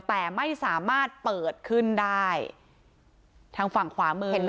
แต่ไม่สามารถเปิดขึ้นได้ทางฝั่งขวามือเห็นไหม